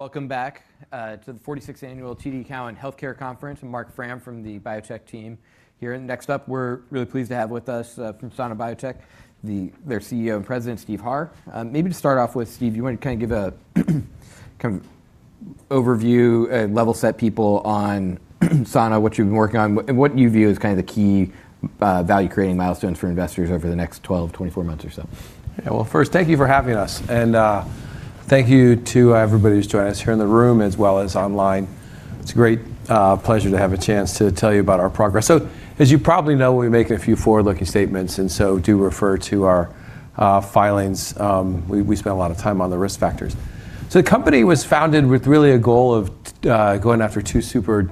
Welcome back, to the 46th Annual TD Cowen Health Care Conference. I'm Marc Frahm from the biotech team here. Next up, we're really pleased to have with us, from Sana Biotechnology, their CEO and President, Steve Harr. Maybe to start off with, Steve, you wanna kinda give a kind of overview and level set people on Sana, what you've been working on, and what you view as kinda the key, value-creating milestones for investors over the next 12-24 months or so. Yeah. Well, first, thank you for having us. Thank you to everybody who's joined us here in the room as well as online. It's a great pleasure to have a chance to tell you about our progress. As you probably know, we'll be making a few forward-looking statements, do refer to our filings. We spent a lot of time on the risk factors. The company was founded with really a goal of going after two super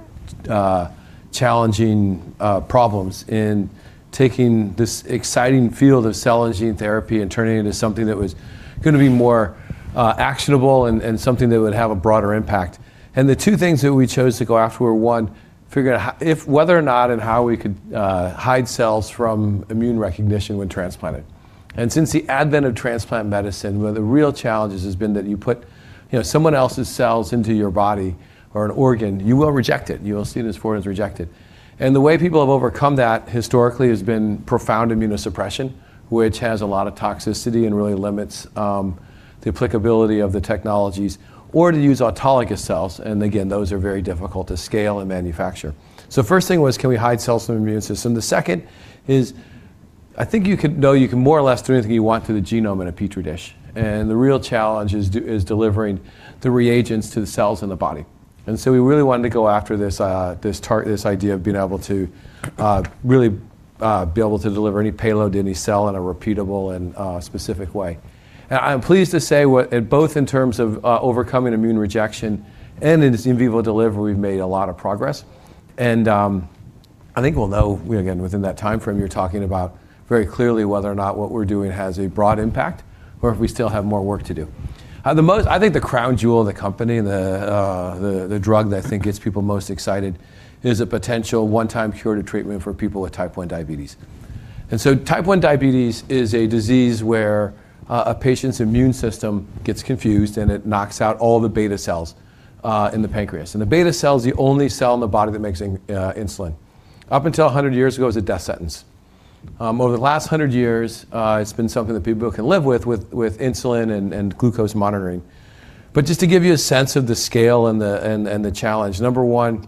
challenging problems in taking this exciting field of cell and gene therapy and turning it into something that was gonna be more actionable and something that would have a broader impact. The two things that we chose to go after were, one, figuring out whether or not and how we could hide cells from immune recognition when transplanted. Since the advent of transplant medicine, one of the real challenges has been that you put, you know, someone else's cells into your body or an organ, you will reject it. You will see it as foreign and reject it. The way people have overcome that historically has been profound immunosuppression, which has a lot of toxicity and really limits the applicability of the technologies or to use autologous cells, and again, those are very difficult to scale and manufacture. First thing was, can we hide cells from the immune system? The second is, I think you can more or less do anything you want to the genome in a petri dish, the real challenge is delivering the reagents to the cells in the body. We really wanted to go after this idea of being able to really be able to deliver any payload to any cell in a repeatable and specific way. I'm pleased to say both in terms of overcoming immune rejection and in this in vivo delivery, we've made a lot of progress. I think we'll know, again, within that timeframe you're talking about very clearly whether or not what we're doing has a broad impact or if we still have more work to do. I think the crown jewel of the company, the drug that I think gets people most excited is a potential one-time curative treatment for people with type 1 diabetes. Type 1 diabetes is a disease where a patient's immune system gets confused, and it knocks out all the beta cells in the pancreas. The beta cell is the only cell in the body that makes insulin. Up until 100 years ago, it was a death sentence. Over the last 100 years, it's been something that people can live with insulin and glucose monitoring. Just to give you a sense of the scale and the challenge, number one,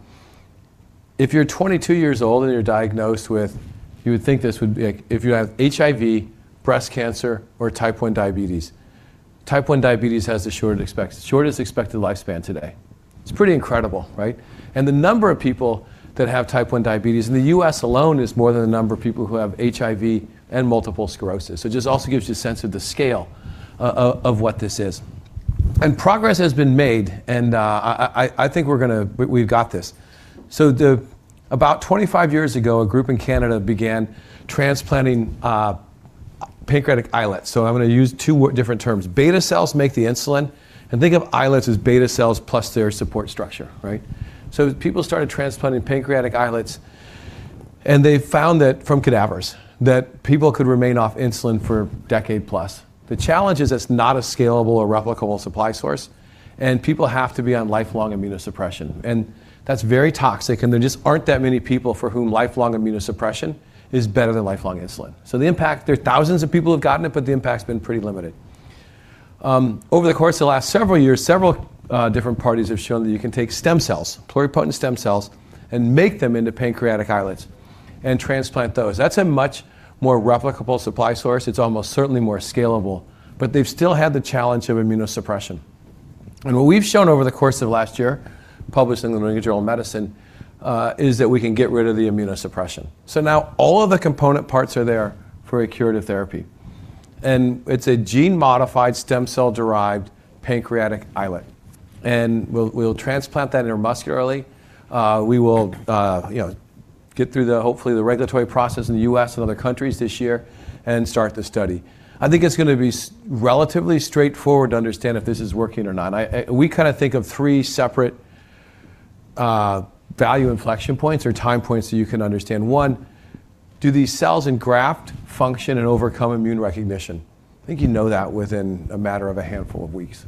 if you're 22 years old and you're diagnosed with you would think this would be like if you have HIV, breast cancer, or type 1 diabetes. Type 1 diabetes has the shortest expected lifespan today. It's pretty incredible, right? The number of people that have type 1 diabetes in the U.S. alone is more than the number of people who have HIV and multiple sclerosis, it just also gives you a sense of the scale of what this is. Progress has been made, and I think we've got this. About 25 years ago, a group in Canada began transplanting pancreatic islets. I'm gonna use two different terms. Beta cells make the insulin. I think of islets as beta cells plus their support structure, right? People started transplanting pancreatic islets, and they found that from cadavers, that people could remain off insulin for a decade plus. The challenge is it's not a scalable or replicable supply source, and people have to be on lifelong immunosuppression. That's very toxic, and there just aren't that many people for whom lifelong immunosuppression is better than lifelong insulin. The impact, there are thousands of people who've gotten it, but the impact's been pretty limited. Over the course of the last several years, several different parties have shown that you can take stem cells, pluripotent stem cells, and make them into pancreatic islets and transplant those. That's a much more replicable supply source. It's almost certainly more scalable. They've still had the challenge of immunosuppression. What we've shown over the course of last year, published in The New England Journal of Medicine, is that we can get rid of the immunosuppression. Now all of the component parts are there for a curative therapy. It's a gene-modified stem cell-derived pancreatic islet. We'll transplant that intramuscularly. We will, you know, get through the, hopefully, the regulatory process in the U.S. and other countries this year and start the study. I think it's gonna be relatively straightforward to understand if this is working or not. We kinda think of three separate value inflection points or time points so you can understand. One, do these cells engraft, function, and overcome immune recognition? I think you know that within a matter of a handful of weeks.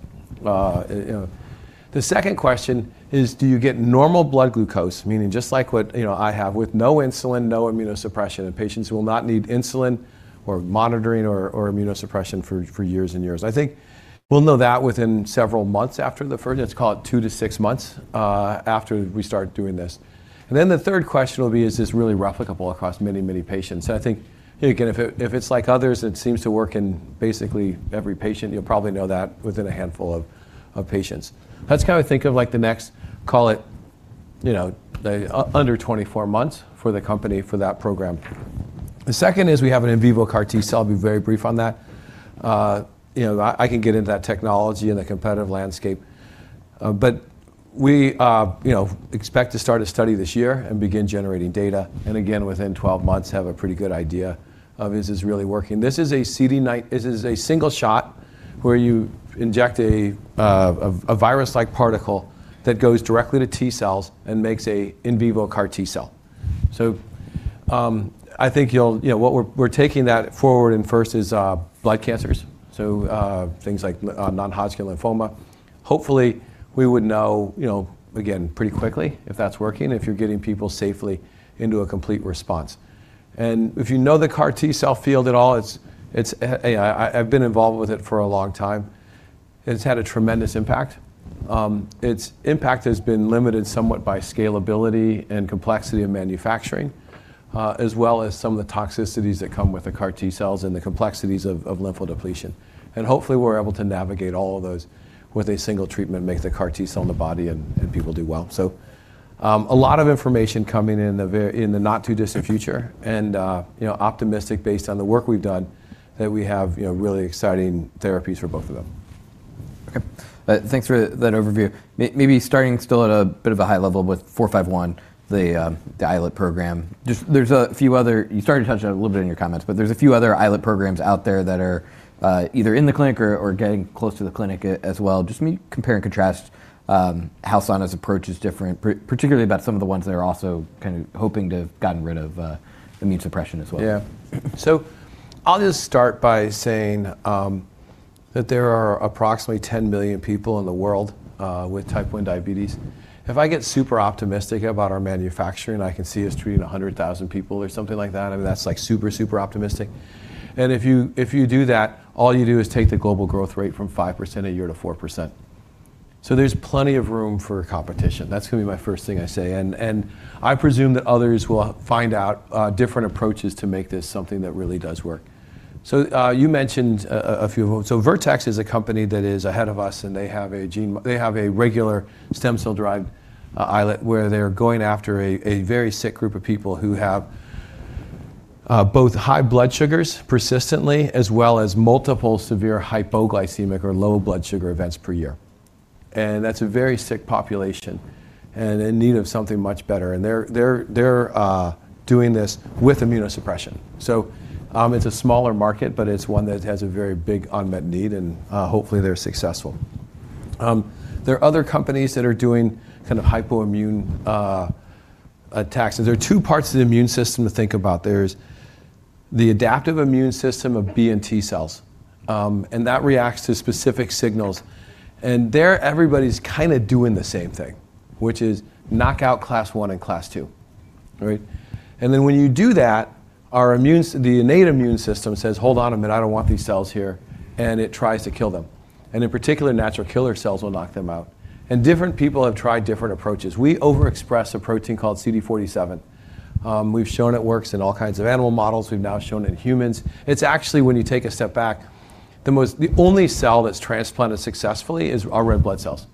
The second question is, do you get normal blood glucose, meaning just like what, you know, I have with no insulin, no immunosuppression, and patients who will not need insulin or monitoring or immunosuppression for years and years. I think we'll know that within several months after let's call it two to six months after we start doing this. The third question will be, is this really replicable across many patients? I think, you know, again, if it's like others, it seems to work in basically every patient. You'll probably know that within a handful of patients. That's kinda like the next, call it, you know, under 24 months for the company for that program. The second is we have an in vivo CAR T-cell. I'll be very brief on that. You know, I can get into that technology and the competitive landscape. We, you know, expect to start a study this year and begin generating data and again, within 12 months, have a pretty good idea of is this really working. This is a CD19. This is a single shot where you inject a, a virus-like particle that goes directly to T-cells and makes a in vivo CAR T-cell. I think you'll. You know what we're taking that forward and first is blood cancers. Things like non-Hodgkin lymphoma. Hopefully we would know, you know, again, pretty quickly if that's working, if you're getting people safely into a complete response. If you know the CAR T-cell field at all, it's, I've been involved with it for a long time, and it's had a tremendous impact. Its impact has been limited somewhat by scalability and complexity of manufacturing, as well as some of the toxicities that come with the CAR T-cells and the complexities of lymphodepletion. Hopefully we're able to navigate all of those with a single treatment, make the CAR T-cell in the body, and people do well. A lot of information coming in the not-too-distant future, you know, optimistic based on the work we've done that we have, you know, really exciting therapies for both of them. Okay. Thanks for that overview. Maybe starting still at a bit of a high level with SC451, the islet program. You started to touch on it a little bit in your comments, but there's a few other islet programs out there that are either in the clinic or getting close to the clinic as well. Just may compare and contrast how Sana's approach is different particularly about some of the ones that are also kind of hoping to have gotten rid of immune suppression as well. Yeah. I'll just start by saying that there are approximately 10 million people in the world with type 1 diabetes. If I get super optimistic about our manufacturing, I can see us treating 100,000 people or something like that. I mean, that's like super optimistic. If you do that, all you do is take the global growth rate from 5% a year to 4%. There's plenty of room for competition. That's gonna be my first thing I say. I presume that others will find out different approaches to make this something that really does work. You mentioned a few of them. Vertex is a company that is ahead of us, they have a regular stem cell-derived islet where they're going after a very sick group of people who have both high blood sugars persistently, as well as multiple severe hypoglycemic or low blood sugar events per year. That's a very sick population and in need of something much better. They're doing this with immunosuppression. It's a smaller market, but it's one that has a very big unmet need, and hopefully they're successful. There are other companies that are doing kind of hypoimmune attacks. There are two parts of the immune system to think about. There's the adaptive immune system of B and T-cells, and that reacts to specific signals. There everybody's kind of doing the same thing, which is knock out class I and class II, right? When you do that, our innate immune system says, "Hold on a minute, I don't want these cells here," and it tries to kill them. In particular, natural killer cells will knock them out. Different people have tried different approaches. We overexpress a protein called CD47. We've shown it works in all kinds of animal models. We've now shown it in humans. It's actually, when you take a step back, the only cell that's transplanted successfully is our red blood cells.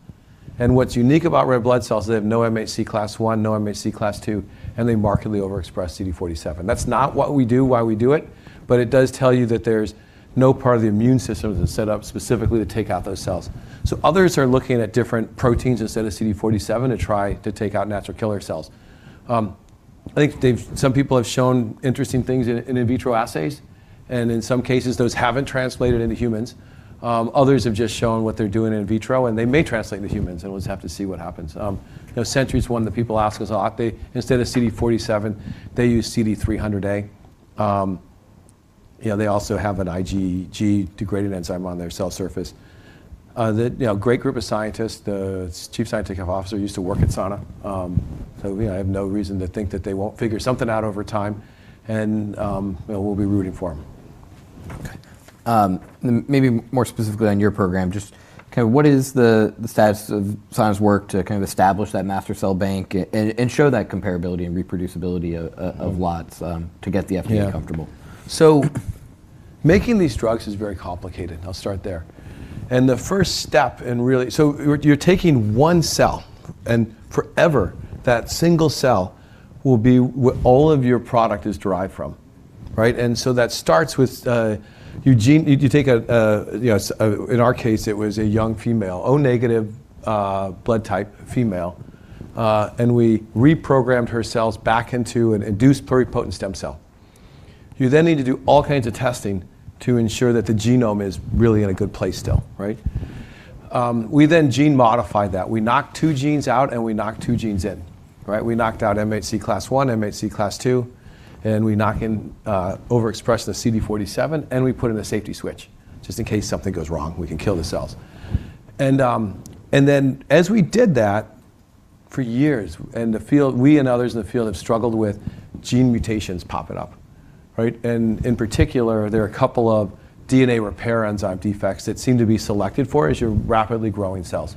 What's unique about red blood cells, they have no MHC class I, no MHC class II, and they markedly overexpress CD47. That's not what we do, why we do it, but it does tell you that there's no part of the immune system that's set up specifically to take out those cells. Others are looking at different proteins instead of CD47 to try to take out natural killer cells. I think some people have shown interesting things in vitro assays, and in some cases, those haven't translated into humans. Others have just shown what they're doing in vitro, and they may translate into humans, and we'll just have to see what happens. You know, Century's one that people ask us a lot. Instead of CD47, they use CD300a. You know, they also have an IgG-degrading enzyme on their cell surface. The, you know, great group of scientists. The chief scientific officer used to work at Sana. You know, I have no reason to think that they won't figure something out over time, and, you know, we'll be rooting for them. Okay. maybe more specifically on your program, just kind of what is the status of Sana's work to kind of establish that master cell bank and show that comparability and reproducibility of lots, to get the FDA comfortable? Yeah. Making these drugs is very complicated. I'll start there. The first step in you're taking one cell, and forever that single cell will be what all of your product is derived from, right? That starts with, you take a, you know, in our case it was a young female, O negative blood type female, and we reprogrammed her cells back into an induced pluripotent stem cell. You need to do all kinds of testing to ensure that the genome is really in a good place still, right? We gene modify that. We knock two genes out and we knock two genes in, right? We knocked out MHC class I, MHC class II, we knock in, overexpress the CD47, and we put in a safety switch just in case something goes wrong, we can kill the cells. As we did that for years, we and others in the field have struggled with gene mutations popping up, right? In particular, there are a couple of DNA repair enzyme defects that seem to be selected for as you're rapidly growing cells.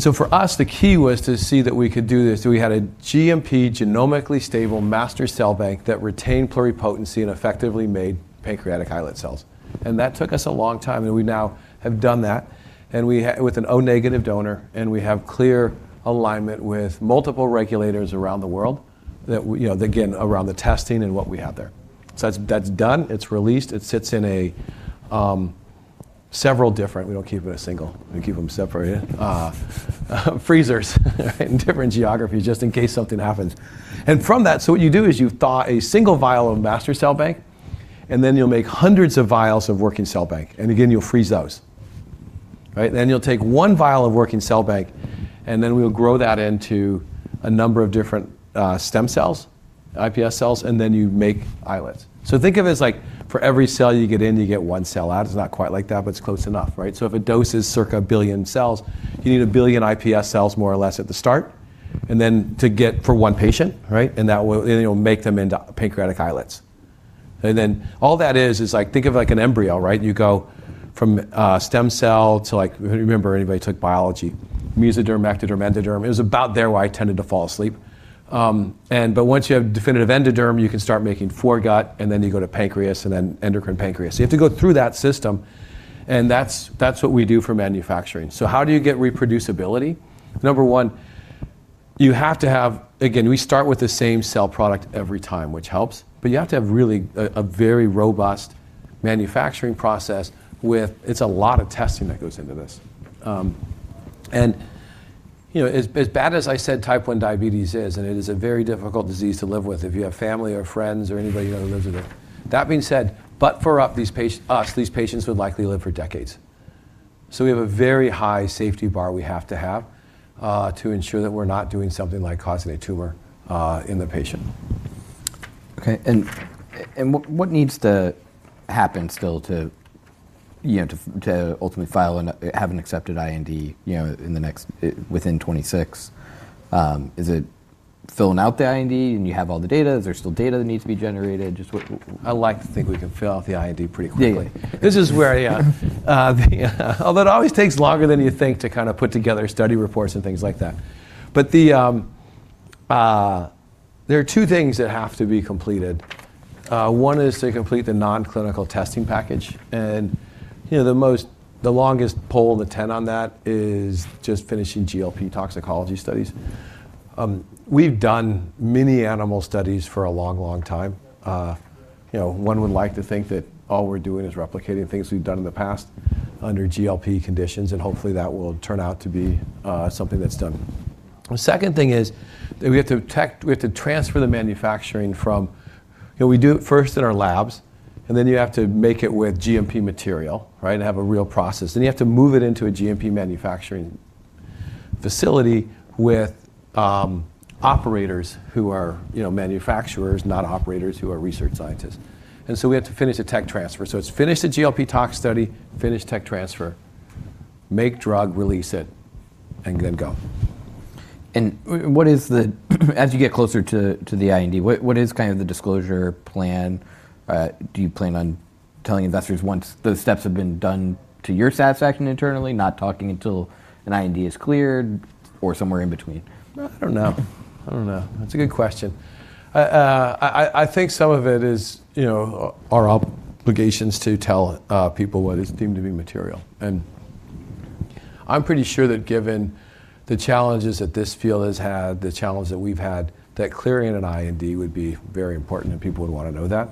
For us, the key was to see that we could do this. We had a GMP genomically stable master cell bank that retained pluripotency and effectively made pancreatic islet cells. That took us a long time, and we now have done that, and we with an O negative donor, and we have clear alignment with multiple regulators around the world that, you know, again, around the testing and what we have there. That's, that's done, it's released, it sits in a, we don't keep it in a single, we keep them separated, freezers in different geographies just in case something happens. What you do is you thaw a single vial of master cell bank, and then you'll make hundreds of vials of working cell bank. Again, you'll freeze those. Right? You'll take one vial of working cell bank, and then we'll grow that into a number of different stem cells, iPS cells, and then you make islets. Think of it as, like, for every cell you get in, you get one cell out. It's not quite like that, but it's close enough, right? If a dose is circa 1 billion cells, you need 1 billion iPS cells more or less at the start, and then to get for one patient, right? It'll make them into pancreatic islets. And then all that is is, like, think of, like, an embryo, right? You go from a stem cell to, like... Remember anybody who took biology. Mesoderm, ectoderm, endoderm. It was about there where I tended to fall asleep. But once you have definitive endoderm, you can start making foregut, and then you go to pancreas and then endocrine pancreas. You have to go through that system, and that's what we do for manufacturing. How do you get reproducibility? Number one. Again, we start with the same cell product every time, which helps. You have to have really a very robust manufacturing process. It's a lot of testing that goes into this. You know, as bad as I said type 1 diabetes is, and it is a very difficult disease to live with, if you have family or friends or anybody that lives with it. That being said, but for us, these patients would likely live for decades. We have a very high safety bar we have to have, to ensure that we're not doing something like causing a tumor in the patient. Okay. What needs to happen still to, you know, to ultimately file and have an accepted IND, you know, in the next, within 2026? Is it filling out the IND and you have all the data? Is there still data that needs to be generated? Just what... I like to think we can fill out the IND pretty quickly. Yeah. This is where, yeah, although it always takes longer than you think to kind of put together study reports and things like that. There are two things that have to be completed. One is to complete the non-clinical testing package. You know, the longest pole in the tent on that is just finishing GLP toxicology studies. We've done many animal studies for a long, long time. You know, one would like to think that all we're doing is replicating things we've done in the past under GLP conditions, and hopefully that will turn out to be something that's done. The second thing is that we have to transfer the manufacturing from, you know, we do it first in our labs, and then you have to make it with GMP material, right, and have a real process. You have to move it into a GMP manufacturing facility with, operators who are, you know, manufacturers, not operators who are research scientists. We have to finish the tech transfer. It's finish the GLP toxicology study, finish tech transfer, make drug, release it, and then go. As you get closer to the IND, what is kind of the disclosure plan? Do you plan on telling investors once those steps have been done to your satisfaction internally, not talking until an IND is cleared or somewhere in between? I don't know. I don't know. That's a good question. I think some of it is, you know, our obligations to tell people what is deemed to be material. I'm pretty sure that given the challenges that this field has had, the challenges that we've had, that clearing an IND would be very important, and people would wanna know that.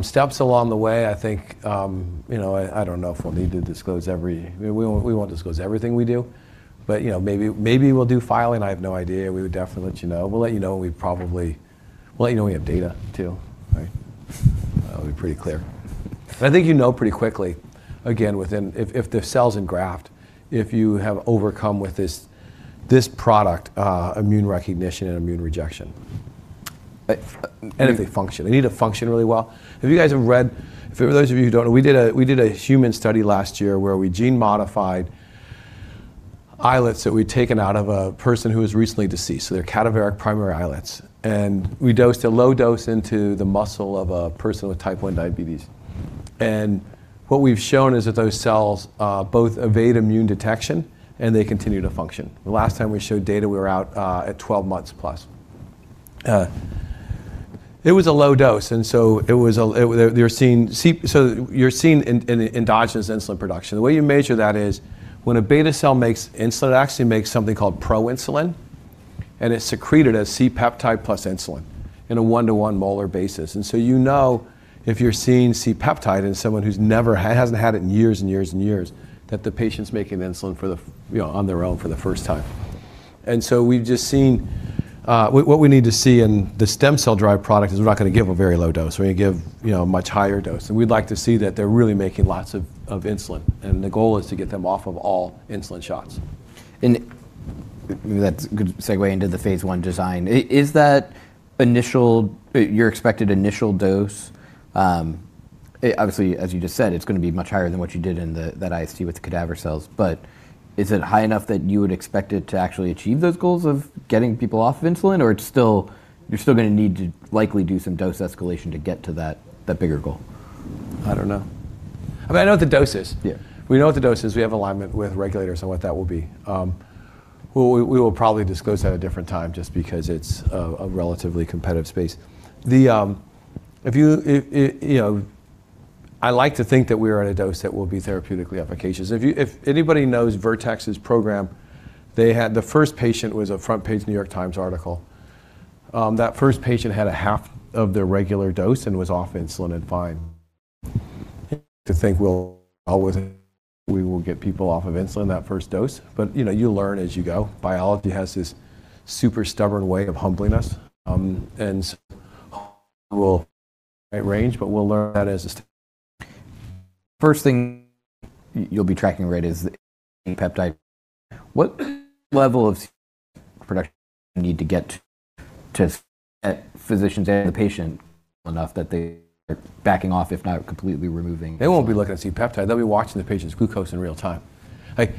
Steps along the way, I think, you know, I don't know if we'll need to disclose. We won't disclose everything we do. You know, maybe we'll do filing. I have no idea. We would definitely let you know. We'll let you know when we have data too, right? That'll be pretty clear. I think you know pretty quickly, again, within if the cell's engrafted, if you have overcome with this product, immune recognition and immune rejection. If they function. They need to function really well. If you guys have read For those of you who don't know, we did a human study last year where we gene-modified islets that we'd taken out of a person who was recently deceased. So they're cadaveric primary islets. We dosed a low dose into the muscle of a person with type 1 diabetes. What we've shown is that those cells both evade immune detection and they continue to function. The last time we showed data, we were out at 12 months plus. it was a low dose. you're seeing in endogenous insulin production. The way you measure that is when a beta cell makes insulin, it actually makes something called proinsulin, it's secreted as C-peptide plus insulin in a one-to-one molar basis. you know if you're seeing C-peptide in someone who's never hasn't had it in years and years and years, that the patient's making insulin for the, you know, on their own for the first time. we've just seen What we need to see in the stem cell-derived product is we're not gonna give a very low dose. We're gonna give, you know, a much higher dose. we'd like to see that they're really making lots of insulin. The goal is to get them off of all insulin shots. That's a good segue into the phase I design. Is that initial, your expected initial dose? Obviously, as you just said, it's gonna be much higher than what you did in that IST with the cadaver cells. Is it high enough that you would expect it to actually achieve those goals of getting people off of insulin, or you're still gonna need to likely do some dose escalation to get to that bigger goal? I don't know. I mean, I know what the dose is. Yeah. We know what the dose is. We have alignment with regulators on what that will be. We will probably disclose that at a different time just because it's a relatively competitive space. You know, I like to think that we're at a dose that will be therapeutically efficacious. If anybody knows Vertex's program, the first patient was a front-page New York Times article. That first patient had a half of their regular dose and was off insulin and fine. To think we will get people off of insulin that first dose. You know, you learn as you go. Biology has this super stubborn way of humbling us. We'll range, but we'll learn that. First thing you'll be tracking rate is the C-peptide. What level of production need to get to physicians and the patient enough that they are backing off, if not completely removing? They won't be looking at C-peptide. They'll be watching the patient's glucose in real time. Like,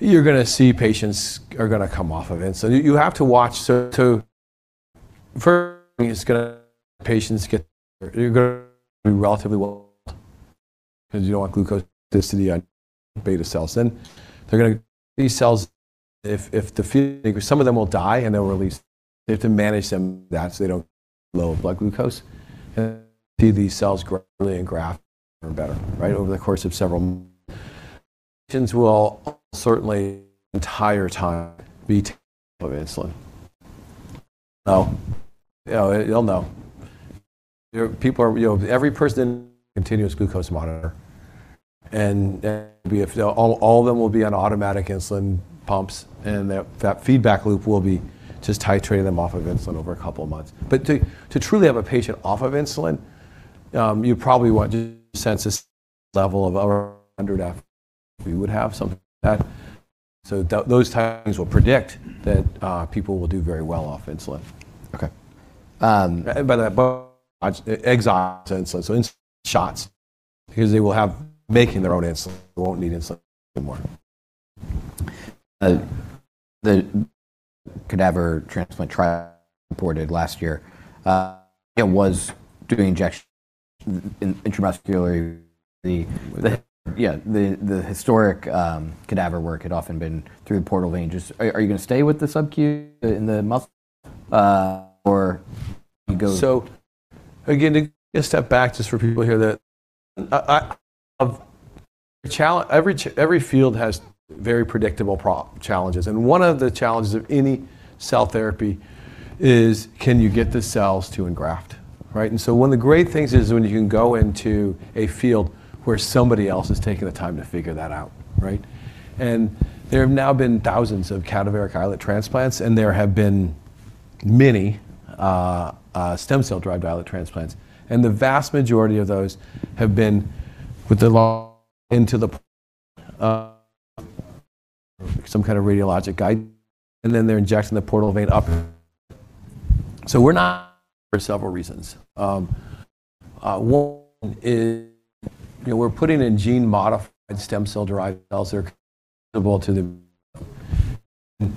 you're gonna see patients are gonna come off of insulin. You have to watch. First, you're gonna be relatively well, because you don't want glucose toxicity on beta cells. They're gonna these cells if some of them will die and they'll release, they have to manage them that so they don't low blood glucose. See these cells gradually engraft better and better, right? Over the course of several months. Patients will almost certainly entire time be taken off of insulin. Oh, yeah, you'll know. There people are, you know, every person continuous glucose monitor and all of them will be on automatic insulin pumps, and that feedback loop will be just titrating them off of insulin over a couple of months. But to truly have a patient off of insulin, you probably want to sense this level of under 100 we would have something like that. Those times will predict that people will do very well off insulin. Okay. By that both exile and so insulin shots because they will have making their own insulin. They won't need insulin anymore. The cadaver transplant trial reported last year, it was doing injection intramuscularly. The, yeah, the historic cadaver work had often been through portal vein. Just are you gonna stay with the subQ in the muscle, or go? Again, to step back just for people here that Every field has very predictable challenges. One of the challenges of any cell therapy is can you get the cells to engraft, right? One of the great things is when you can go into a field where somebody else has taken the time to figure that out, right? There have now been thousands of cadaveric islet transplants, and there have been many stem cell-derived islet transplants. The vast majority of those have been with the law into the some kind of radiologic guide. They're injecting the portal vein up. We're not for several reasons. One is, you know, we're putting in gene-modified stem cell-derived cells that are comparable to the...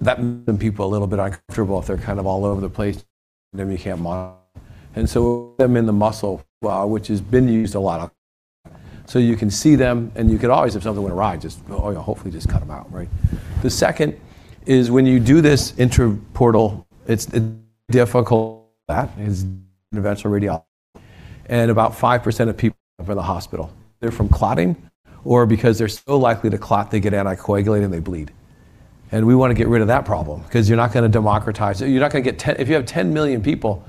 That makes some people a little bit uncomfortable if they're kind of all over the place, we can't monitor them. We put them in the muscle, which has been used a lot of. You can see them, and you could always, if something went awry, just hopefully just cut them out, right? The second is when you do this intraportal, it's difficult. That is interventional radiology. About 5% of people end up in the hospital. They're from clotting or because they're so likely to clot, they get anticoagulated, and they bleed. We wanna get rid of that problem because you're not gonna democratize it. You're not gonna get If you have 10 million people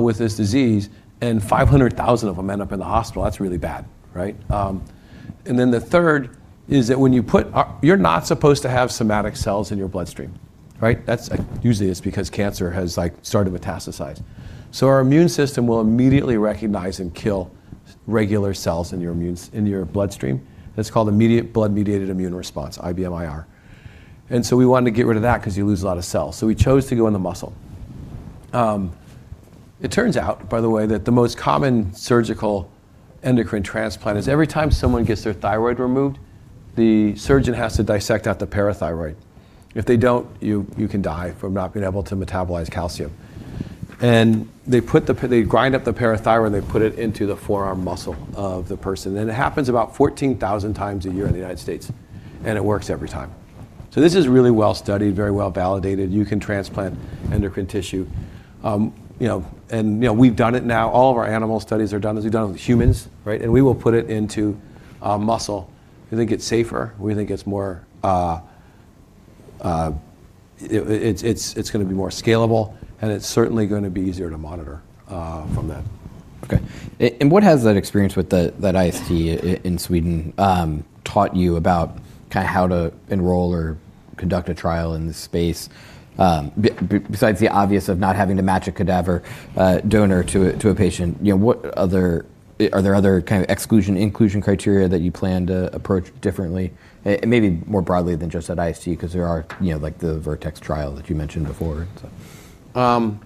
with this disease and 500,000 of them end up in the hospital, that's really bad, right? The third is that you're not supposed to have somatic cells in your bloodstream, right? That's usually because cancer has, like, started to metastasize. Our immune system will immediately recognize and kill regular cells in your bloodstream. That's called Instant Blood-Mediated Inflammatory Reaction, IBMIR. We wanted to get rid of that because you lose a lot of cells. We chose to go in the muscle. It turns out, by the way, that the most common surgical endocrine transplant is every time someone gets their thyroid removed, the surgeon has to dissect out the parathyroid. If they don't, you can die from not being able to metabolize calcium. They grind up the parathyroid, and they put it into the forearm muscle of the person. It happens about 14,000x a year in the United States. It works every time. This is really well-studied, very well-validated. You can transplant endocrine tissue. You know, we've done it now. All of our animal studies are done, as we've done with humans, right? We will put it into muscle. We think it's safer. We think it's more, it's gonna be more scalable, it's certainly gonna be easier to monitor from that. Okay. What has that experience with that IST in Sweden, taught you about kinda how to enroll or conduct a trial in this space? Besides the obvious of not having to match a cadaver, donor to a patient, you know, are there other kind of exclusion, inclusion criteria that you plan to approach differently? Maybe more broadly than just at IST because there are, you know, like the Vertex trial that you mentioned before and so on.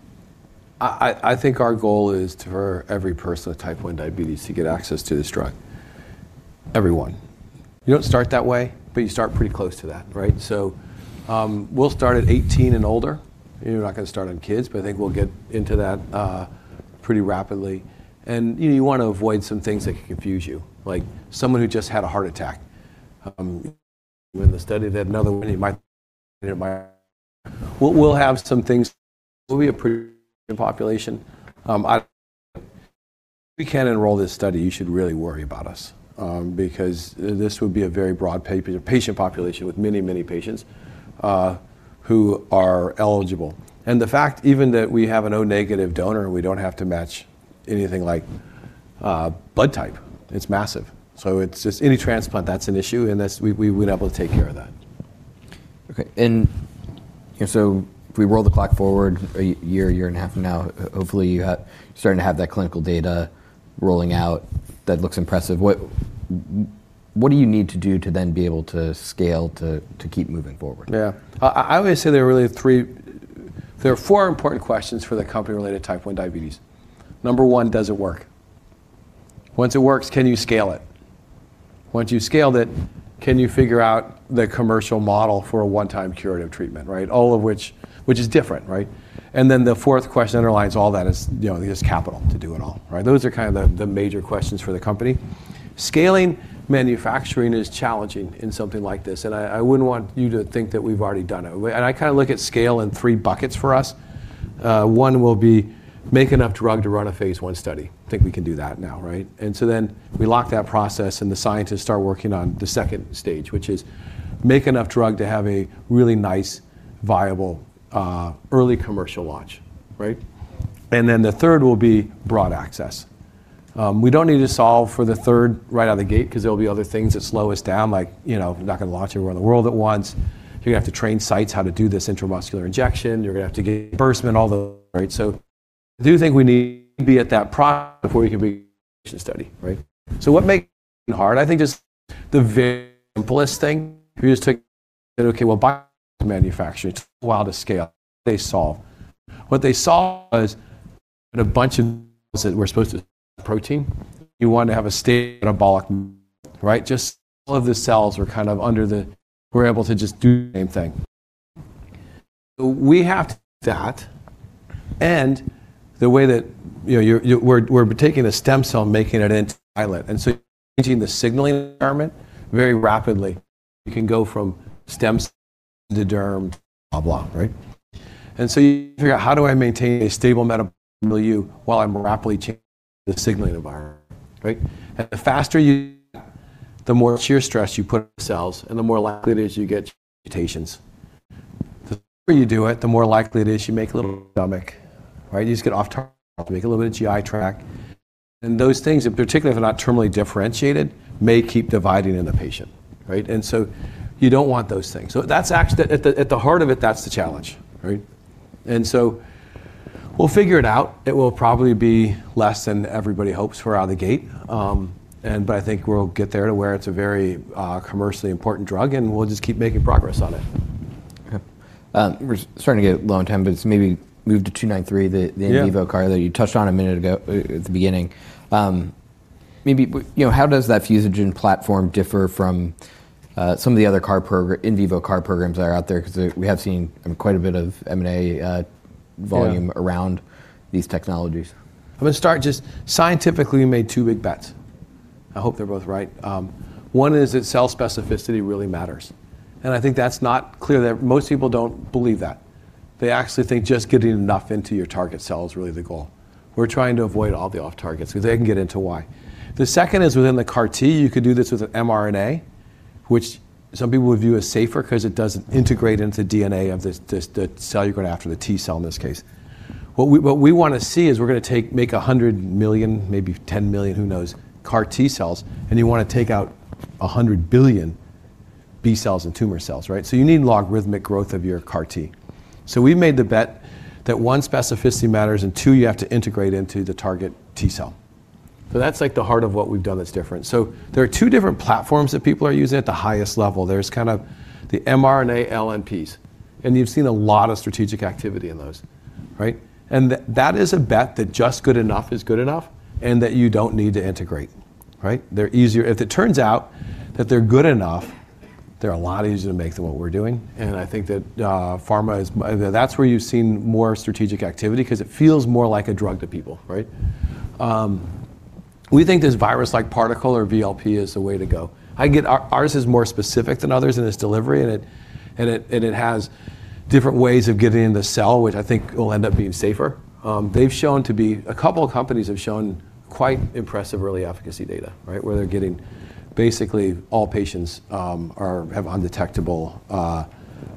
I think our goal is for every person with type 1 diabetes to get access to this drug. Everyone. You don't start that way, but you start pretty close to that, right? We'll start at 18 and older. You're not gonna start on kids, but I think we'll get into that pretty rapidly. You know, you wanna avoid some things that can confuse you, like someone who just had a heart attack, when the study that another one of you might We'll have some things. We'll be a pretty population. If we can't enroll this study, you should really worry about us, because this would be a very broad patient population with many, many patients who are eligible. The fact even that we have an O negative donor, we don't have to match anything like blood type, it's massive. It's just any transplant that's an issue, and that's we're able to take care of that. Okay. If we roll the clock forward a year and a half from now, hopefully you're starting to have that clinical data rolling out that looks impressive. What do you need to do to then be able to scale to keep moving forward? Yeah. I would say there are really four important questions for the company related to type 1 diabetes. Number 1, does it work? Once it works, can you scale it? Once you've scaled it, can you figure out the commercial model for a one-time curative treatment, right? All of which is different, right? Then the fourth question underlines all that is, you know, is capital to do it all, right? Those are kind of the major questions for the company. Scaling manufacturing is challenging in something like this, and I wouldn't want you to think that we've already done it. I kinda look at scale in three buckets for us. One will be make enough drug to run a phase I study. I think we can do that now, right? we lock that process, and the scientists start working on the second stage, which is make enough drug to have a really nice, viable, early commercial launch, right? The third will be broad access. We don't need to solve for the third right out of the gate because there'll be other things that slow us down. Like, you know, we're not gonna launch everywhere in the world at once. You're gonna have to train sites how to do this intramuscular injection. You're gonna have to get reimbursement, all those, right? I do think we need to be at that program before we can study, right? What makes it hard? I think just the very simplest thing is to say, "Okay, well, manufacturing, it's wild to scale." What they saw was a bunch of that were supposed to protein you want to have a stable metabolic, right? Just all of the cells are kind of under the... We're able to just do the same thing. We have to that, the way that, you know, you're We're taking a stem cell, making it into an islet. Changing the signaling environment very rapidly. You can go from stem to derm, blah, right? You figure out how do I maintain a stable metabolic milieu while I'm rapidly changing the signaling environment, right? The faster, the more shear stress you put on cells and the more likely it is you get mutations. The faster you do it, the more likely it is you make a little stomach, right? You just get off target, make a little bit of GI tract. Those things, particularly if they're not terminally differentiated, may keep dividing in the patient, right? You don't want those things. That's actually at the heart of it, that's the challenge, right? We'll figure it out. It will probably be less than everybody hopes for out of the gate. I think we'll get there to where it's a very commercially important drug, and we'll just keep making progress on it. Okay. We're starting to get low on time, but just maybe move to SG293, the in vivo CAR that you touched on a minute ago, at the beginning. Maybe, you know, how does that Fusogen platform differ from some of the other in vivo CAR programs that are out there? We have seen quite a bit of M&A volume around these technologies. I'm gonna start just scientifically, we made two big bets. I hope they're both right. One is that cell specificity really matters. I think that's not clear. Most people don't believe that. They actually think just getting enough into your target cell is really the goal. We're trying to avoid all the off targets, beause I can get into why. The second is within the CAR T, you could do this with an mRNA, which some people would view as safer 'cause it doesn't integrate into DNA of the cell you're going after, the T-cell in this case. What we wanna see is we're gonna make 100 million, maybe 10 million, who knows, CAR T-cells, you wanna take out 100 billion B cells and tumor cells, right? You need logarithmic growth of your CAR T. We made the bet that, one, specificity matters, and two, you have to integrate into the target T-cell. That's like the heart of what we've done that's different. There are two different platforms that people are using at the highest level. There's kind of the mRNA LNPs, and you've seen a lot of strategic activity in those, right? That is a bet that just good enough is good enough, and that you don't need to integrate, right? They're easier. If it turns out that they're good enough, they're a lot easier to make than what we're doing, and I think that pharma. That's where you've seen more strategic activity because it feels more like a drug to people, right? We think this virus-like particle, or VLP, is the way to go. I get our is more specific than others in its delivery, and it has different ways of getting in the cell, which I think will end up being safer. A couple of companies have shown quite impressive early efficacy data, right? Where they're getting basically all patients have undetectable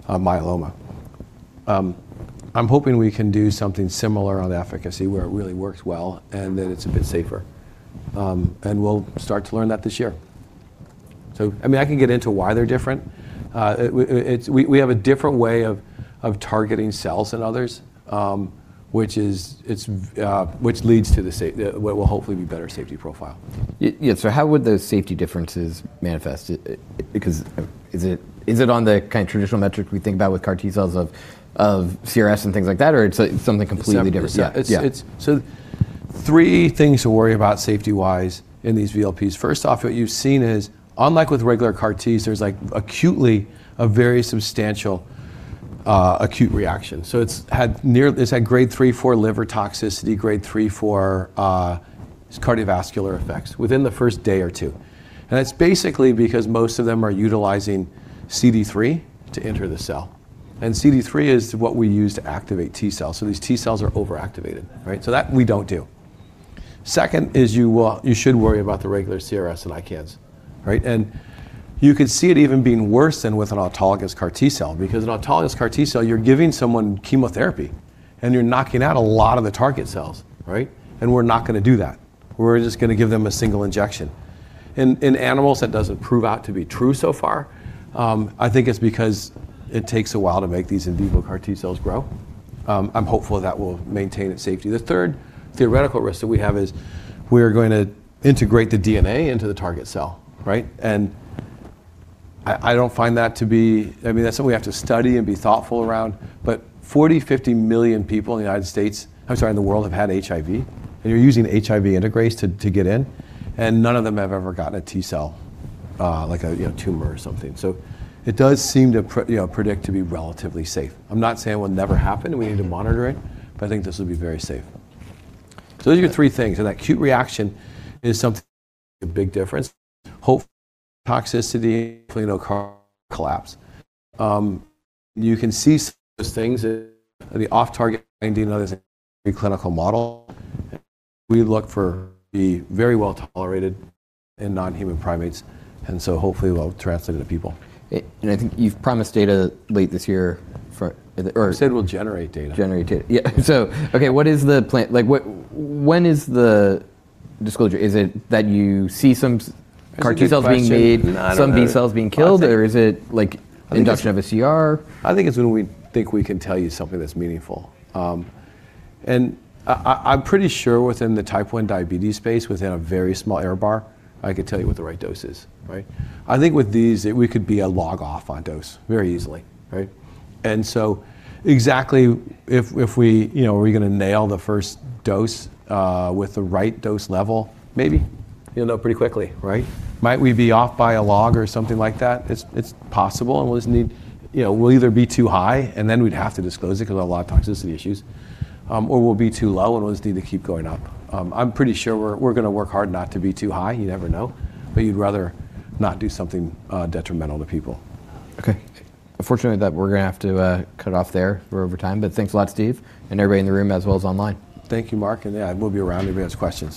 myeloma. I'm hoping we can do something similar on efficacy, where it really works well and that it's a bit safer. And we'll start to learn that this year. I mean, I can get into why they're different. We have a different way of targeting cells than others, which is, which leads to what will hopefully be better safety profile. Yeah. How would those safety differences manifest? Because is it on the kind of traditional metric we think about with CAR T-cells of CRS and things like that, or it's something completely different? Yeah. Yeah. Three things to worry about safety-wise in these VLPs. First off, what you've seen is, unlike with regular CAR T-cells, there's like acutely a very substantial, acute reaction. It's had grade 3/4 liver toxicity, grade 3/4, cardiovascular effects within the first day or two. That's basically because most of them are utilizing CD3 to enter the cell. CD3 is what we use to activate T-cells. These T-cells are overactivated, right? That we don't do. Second is you should worry about the regular CRS and ICANS, right? You could see it even being worse than with an autologous CAR T-cell, because an autologous CAR T-cell, you're giving someone chemotherapy, and you're knocking out a lot of the target cells, right? We're not gonna do that. We're just gonna give them a single injection. In animals, that doesn't prove out to be true so far. I think it's because it takes a while to make these in vivo CAR T-cells grow. I'm hopeful that will maintain its safety. The third theoretical risk that we have is we are going to integrate the DNA into the target cell, right? I don't find that to be, I mean, that's something we have to study and be thoughtful around. 40, 50 million people in the United States I'm sorry, in the world, have had HIV. You're using HIV integrase to get in, and none of them have ever gotten a T-cell, like a, you know, tumor or something. It does seem to you know, predict to be relatively safe. I'm not saying it will never happen, and we need to monitor it, but I think this will be very safe. Those are your three things, and that acute reaction is something a big difference. Hope toxicity, you know, CAR collapse. You can see those things in the off-target 90 and others in clinical model. We look for be very well-tolerated in non-human primates, and so hopefully will translate into people. I think you've promised data late this year. I said we'll generate data. Generate data. Yeah. Okay, what is the plan? Like, when is the disclosure? Is it that you see some CAR T-cells being made. That's a good question. I don't know. Some B-cells being killed, or is it, like, induction of a CR? I think it's when we think we can tell you something that's meaningful. I'm pretty sure within the type 1 diabetes space, within a very small error bar, I could tell you what the right dose is, right? I think with these, we could be a log-off on dose very easily, right? Exactly if we, you know, are we gonna nail the first dose with the right dose level maybe. You'll know pretty quickly. Right. Might we be off by a log or something like that? It's possible, and we'll just need, you know, we'll either be too high, and then we'd have to disclose it because of lot of toxicity issues. We'll be too low, and we'll just need to keep going up. I'm pretty sure we're gonna work hard not to be too high. You never know. You'd rather not do something detrimental to people. Okay. Unfortunately, that we're gonna have to cut off there. We're over time. Thanks a lot, Steve, and everybody in the room as well as online. Thank you, Marc. Yeah, I'd move you around if anybody has questions.